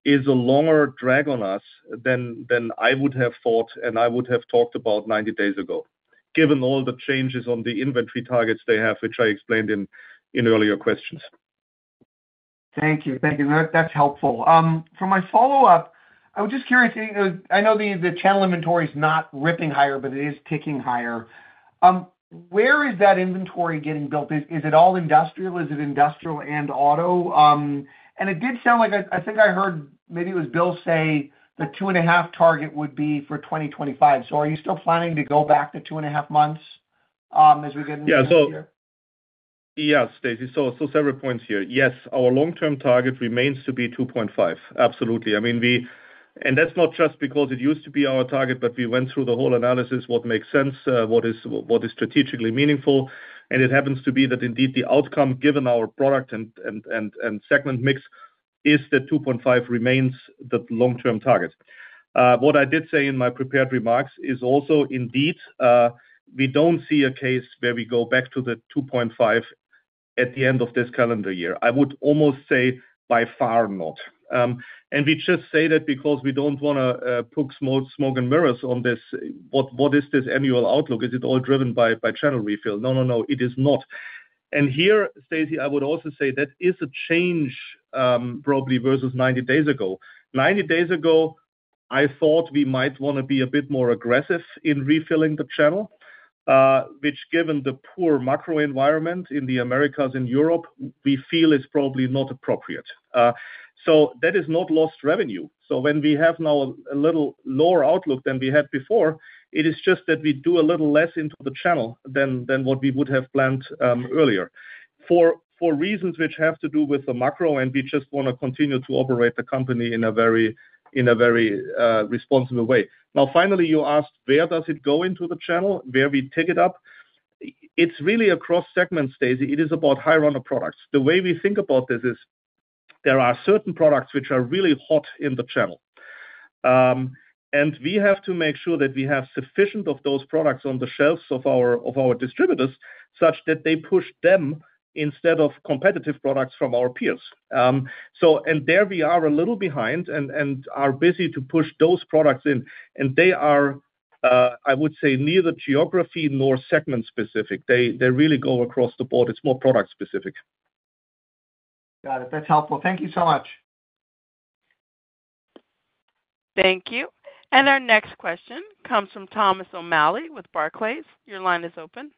is a longer drag on us than I would have thought and I would have talked about 90 days ago, given all the changes on the inventory targets they have, which I explained in earlier questions. Thank you. Thank you. That's helpful. For my follow-up, I was just curious. I know the channel inventory is not ripping higher, but it is ticking higher. Where is that inventory getting built? Is it all industrial? Is it industrial and auto? And it did sound like I think I heard maybe it was Bill say the 2.5 target would be for 2025. So are you still planning to go back to 2.5 months as we get into this year? Yeah. So yes, Stacey. So several points here. Yes, our long-term target remains to be 2.5. Absolutely. I mean, and that's not just because it used to be our target, but we went through the whole analysis, what makes sense, what is strategically meaningful. And it happens to be that indeed the outcome given our product and segment mix is that 2.5 remains the long-term target. What I did say in my prepared remarks is also indeed we don't see a case where we go back to the 2.5 at the end of this calendar year. I would almost say by far not. And we just say that because we don't want to poke smoke and mirrors on this. What is this annual outlook? Is it all driven by channel refill? No, no, no. It is not. Here, Stacey, I would also say that is a change probably versus 90 days ago. 90 days ago, I thought we might want to be a bit more aggressive in refilling the channel, which given the poor macro environment in the Americas and Europe, we feel is probably not appropriate. So that is not lost revenue. So when we have now a little lower outlook than we had before, it is just that we do a little less into the channel than what we would have planned earlier for reasons which have to do with the macro, and we just want to continue to operate the company in a very responsible way. Now, finally, you asked where does it go into the channel, where we take it up. It's really across segments, Stacey. It is about high-runner products. The way we think about this is there are certain products which are really hot in the channel. We have to make sure that we have sufficient of those products on the shelves of our distributors such that they push them instead of competitive products from our peers. There we are a little behind and are busy to push those products in. They are, I would say, neither geography nor segment specific. They really go across the board. It's more product specific. Got it. That's helpful. Thank you so much. Thank you. Our next question comes from Thomas O'Malley with Barclays. Your line is open.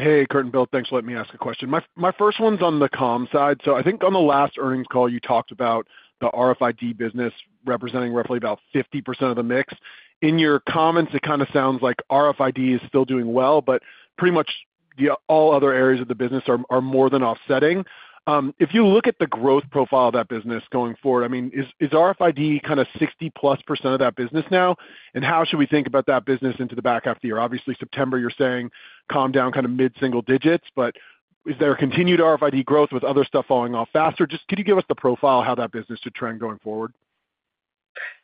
Hey, Kurt and Bill. Thanks for letting me ask a question. My first one's on the comm side. So I think on the last earnings call, you talked about the RFID business representing roughly about 50% of the mix. In your comments, it kind of sounds like RFID is still doing well, but pretty much all other areas of the business are more than offsetting. If you look at the growth profile of that business going forward, I mean, is RFID kind of 60%+ of that business now? And how should we think about that business into the back half of the year? Obviously, September, you're saying calm down kind of mid-single digits, but is there continued RFID growth with other stuff falling off faster? Just could you give us the profile of how that business should trend going forward?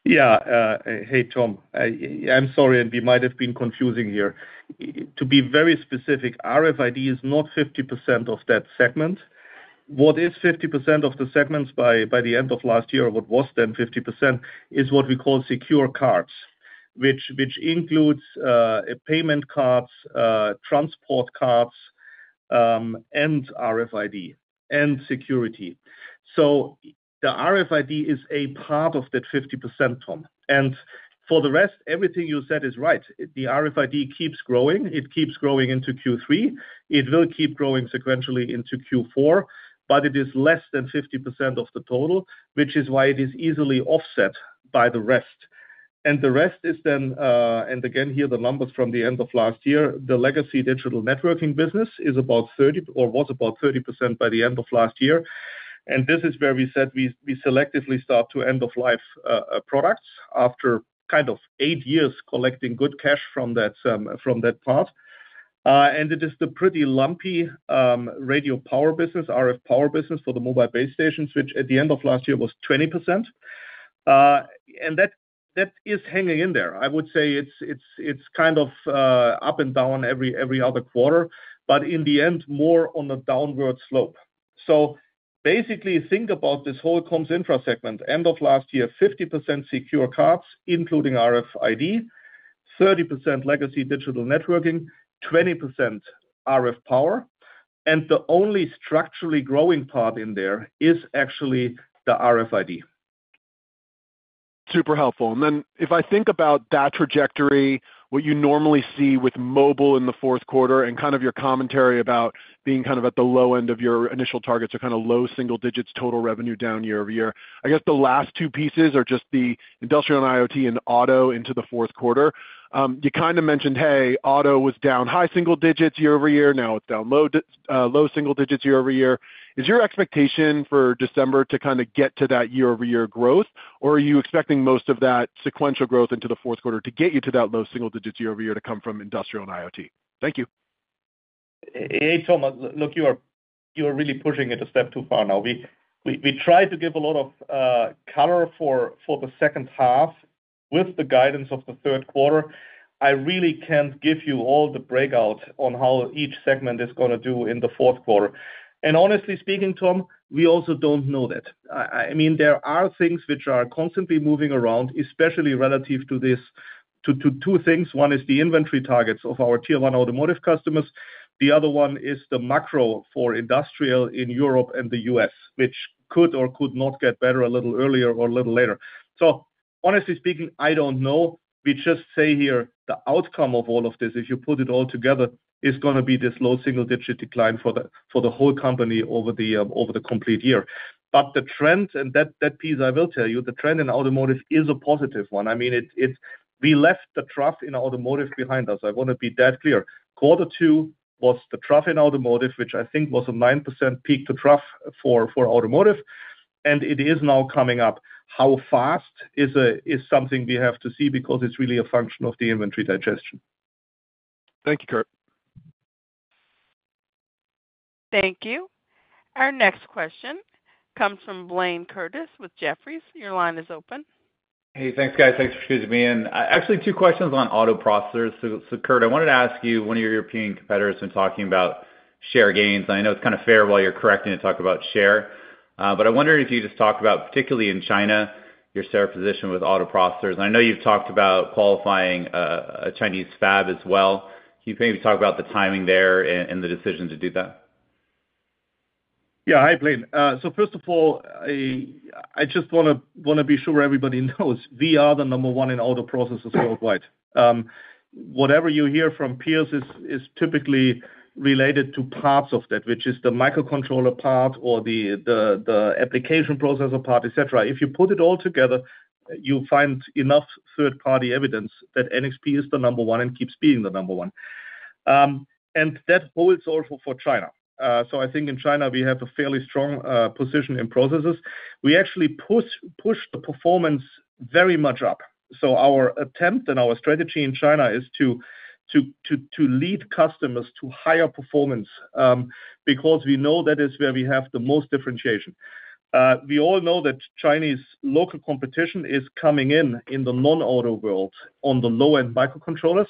Yeah. Hey, Tom. I'm sorry, and we might have been confusing here. To be very specific, RFID is not 50% of that segment. What is 50% of the segments by the end of last year or what was then 50% is what we call secure cards, which includes payment cards, transport cards, and RFID and security. So the RFID is a part of that 50%, Tom. And for the rest, everything you said is right. The RFID keeps growing. It keeps growing into Q3. It will keep growing sequentially into Q4, but it is less than 50% of the total, which is why it is easily offset by the rest. And the rest is then, and again, here the numbers from the end of last year, the legacy digital networking business is about 30% or was about 30% by the end of last year. And this is where we said we selectively start to end-of-life products after kind of eight years collecting good cash from that part. And it is the pretty lumpy radio power business, RF power business for the mobile base stations, which at the end of last year was 20%. And that is hanging in there. I would say it's kind of up and down every other quarter, but in the end, more on a downward slope. So basically, think about this whole comms infra segment. End of last year, 50% secure cards, including RFID, 30% legacy digital networking, 20% RF power. And the only structurally growing part in there is actually the RFID. Super helpful. Then if I think about that trajectory, what you normally see with mobile in the fourth quarter and kind of your commentary about being kind of at the low end of your initial targets or kind of low single digits total revenue down year over year, I guess the last two pieces are just the industrial and IoT and auto into the fourth quarter. You kind of mentioned, "Hey, auto was down high single digits year over year. Now it's down low single digits year over year." Is your expectation for December to kind of get to that year-over-year growth, or are you expecting most of that sequential growth into the fourth quarter to get you to that low single digits year over year to come from industrial and IoT? Thank you. Hey, Tom. Look, you are really pushing it a step too far now. We tried to give a lot of color for the second half with the guidance of the third quarter. I really can't give you all the breakout on how each segment is going to do in the fourth quarter. And honestly speaking, Tom, we also don't know that. I mean, there are things which are constantly moving around, especially relative to two things. One is the inventory targets of our Tier 1 automotive customers. The other one is the macro for industrial in Europe and the U.S., which could or could not get better a little earlier or a little later. So honestly speaking, I don't know. We just say here the outcome of all of this, if you put it all together, is going to be this low single-digit decline for the whole company over the complete year. But the trend, and that piece I will tell you, the trend in automotive is a positive one. I mean, we left the trough in automotive behind us. I want to be that clear. quarter two was the trough in automotive, which I think was a 9% peak to trough for automotive. It is now coming up. How fast is something we have to see because it's really a function of the inventory digestion? Thank you, Kurt. Thank you. Our next question comes from Blayne Curtis with Jefferies. Your line is open. Hey, thanks, guys. Thanks for scooting me in. Actually, two questions on auto processors. So Kurt, I wanted to ask you, one of your European competitors has been talking about share gains. And I know it's kind of hard while you're correcting to talk about share. But I wondered if you just talked about, particularly in China, your share position with auto processors. And I know you've talked about qualifying a Chinese fab as well. Can you maybe talk about the timing there and the decision to do that? Yeah. Hi, Blayne. So first of all, I just want to be sure everybody knows we are the number one in auto processors worldwide. Whatever you hear from peers is typically related to parts of that, which is the microcontroller part or the application processor part, etc. If you put it all together, you find enough third-party evidence that NXP is the number one and keeps being the number one. And that holds also for China. So I think in China, we have a fairly strong position in processors. We actually push the performance very much up. So our attempt and our strategy in China is to lead customers to higher performance because we know that is where we have the most differentiation. We all know that Chinese local competition is coming in in the non-auto world on the low-end microcontrollers.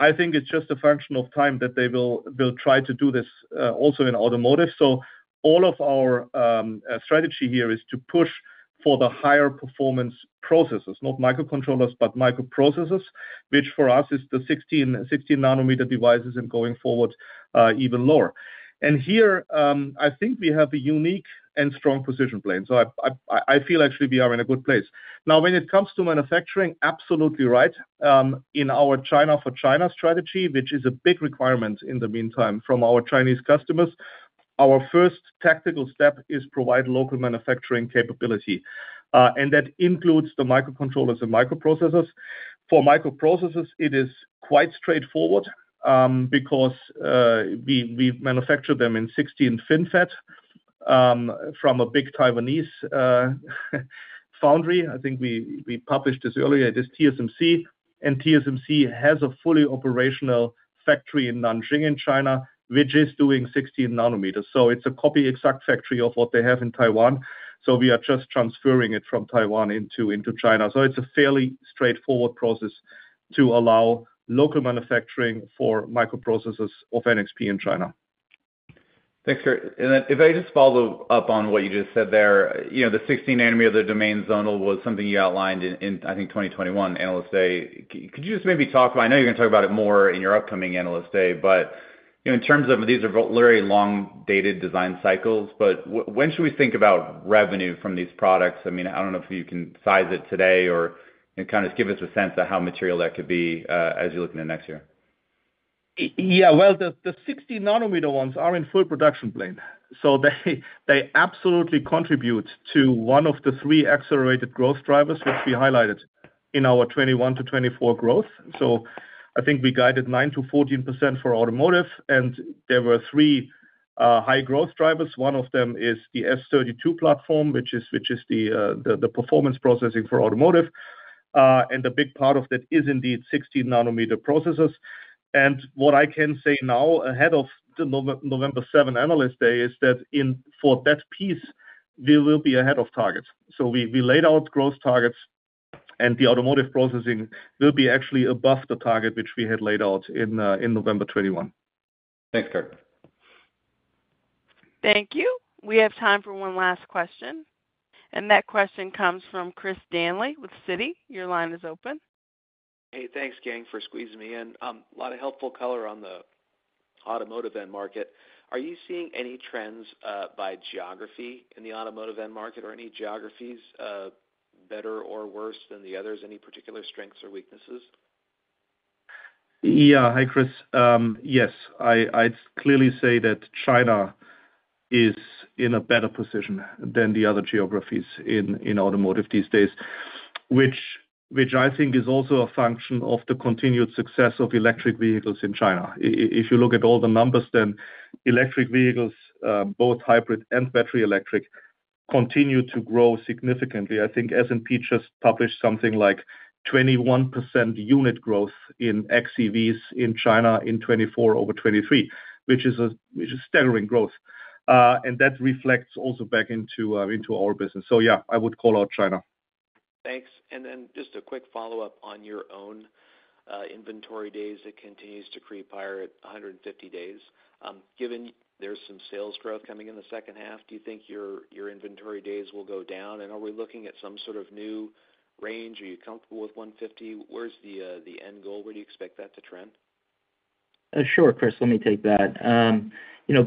I think it's just a function of time that they will try to do this also in automotive. So all of our strategy here is to push for the higher performance processes, not microcontrollers, but microprocessors, which for us is the 16-nanometer devices and going forward even lower. And here, I think we have a unique and strong position, Blayne. So I feel actually we are in a good place. Now, when it comes to manufacturing, absolutely right. In our China for China strategy, which is a big requirement in the meantime from our Chinese customers, our first tactical step is to provide local manufacturing capability. And that includes the microcontrollers and microprocessors. For microprocessors, it is quite straightforward because we manufacture them in 16 FinFET from a big Taiwanese foundry. I think we published this earlier. It is TSMC. TSMC has a fully operational factory in Nanjing in China, which is doing 16 nm. It's a copy-exact factory of what they have in Taiwan. We are just transferring it from Taiwan into China. It's a fairly straightforward process to allow local manufacturing for microprocessors of NXP in China. Thanks, Kurt. And if I just follow up on what you just said there, the 16-nanometer domain zonal was something you outlined in, I think, 2021, Analyst Day. Could you just maybe talk about, I know you're going to talk about it more in your upcoming Analyst Day, but in terms of these are very long-dated design cycles, but when should we think about revenue from these products? I mean, I don't know if you can size it today or kind of just give us a sense of how material that could be as you're looking at next year. Yeah. Well, the 16-nanometer ones are in full production, Blayne. So they absolutely contribute to one of the three accelerated growth drivers, which we highlighted in our 2021 to 2024 growth. So I think we guided 9%-14% for automotive. And there were three high-growth drivers. One of them is the S32 platform, which is the performance processing for automotive. And a big part of that is indeed 16-nanometer processors. And what I can say now ahead of the November 7 Analyst Day is that for that piece, we will be ahead of target. So we laid out growth targets, and the automotive processing will be actually above the target which we had laid out in November 2021. Thanks, Kurt. Thank you. We have time for one last question. That question comes from Chris Danely with Citi. Your line is open. Hey, thanks, gang, for squeezing me in. A lot of helpful color on the automotive end market. Are you seeing any trends by geography in the automotive end market or any geographies better or worse than the others? Any particular strengths or weaknesses? Yeah. Hi, Chris. Yes. I'd clearly say that China is in a better position than the other geographies in automotive these days, which I think is also a function of the continued success of electric vehicles in China. If you look at all the numbers, then electric vehicles, both hybrid and battery electric, continue to grow significantly. I think S&P just published something like 21% unit growth in xEVs in China in 2024 over 2023, which is a staggering growth. And that reflects also back into our business. So yeah, I would call out China. Thanks. And then just a quick follow-up on your own inventory days that continues to creep higher at 150 days. Given there's some sales growth coming in the second half, do you think your inventory days will go down? And are we looking at some sort of new range? Are you comfortable with 150? Where's the end goal? Where do you expect that to trend? Sure, Chris. Let me take that.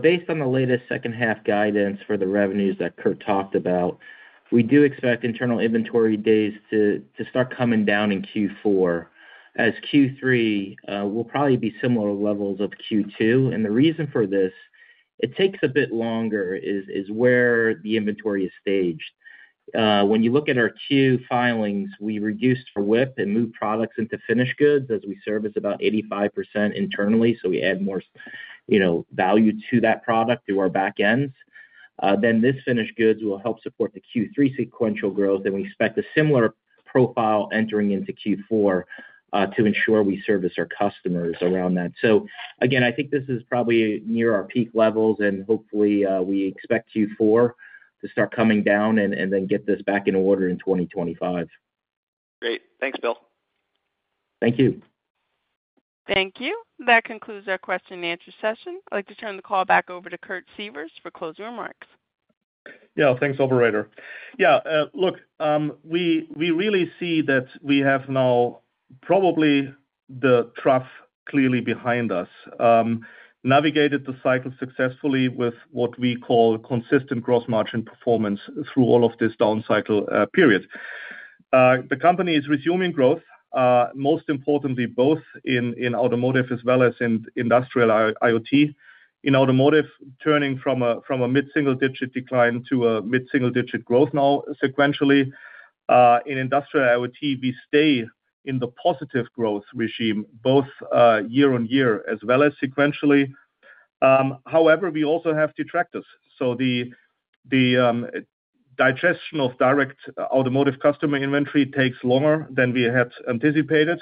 Based on the latest second-half guidance for the revenues that Kurt talked about, we do expect internal inventory days to start coming down in Q4. As Q3, we'll probably be similar levels of Q2. And the reason for this, it takes a bit longer is where the inventory is staged. When you look at our Q filings, we reduced for WIP and moved products into finished goods as we service about 85% internally. So we add more value to that product through our back ends. Then this finished goods will help support the Q3 sequential growth. And we expect a similar profile entering into Q4 to ensure we service our customers around that. So again, I think this is probably near our peak levels. And hopefully, we expect Q4 to start coming down and then get this back in order in 2025. Great. Thanks, Bill. Thank you. Thank you. That concludes our question-and-answer session. I'd like to turn the call back over to Kurt Sievers for closing remarks. Yeah. Thanks, operator. Yeah. Look, we really see that we have now probably the trough clearly behind us, navigated the cycle successfully with what we call consistent gross margin performance through all of this down cycle period. The company is resuming growth, most importantly, both in automotive as well as in industrial IoT. In automotive, turning from a mid-single-digit decline to a mid-single-digit growth now sequentially. In industrial IoT, we stay in the positive growth regime both year on year as well as sequentially. However, we also have detractors. So the digestion of direct automotive customer inventory takes longer than we had anticipated.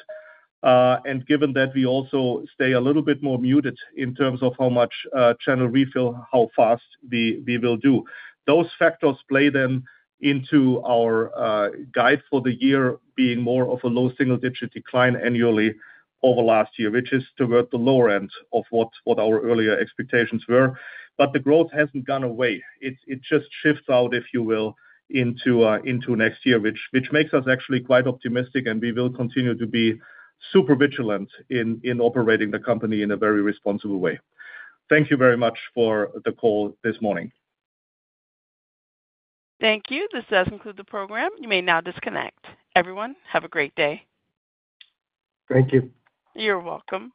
And given that, we also stay a little bit more muted in terms of how much channel refill, how fast we will do. Those factors play then into our guide for the year being more of a low single-digit decline annually over last year, which is toward the lower end of what our earlier expectations were. But the growth hasn't gone away. It just shifts out, if you will, into next year, which makes us actually quite optimistic. And we will continue to be super vigilant in operating the company in a very responsible way. Thank you very much for the call this morning. Thank you. This does conclude the program. You may now disconnect. Everyone, have a great day. Thank you. You're welcome.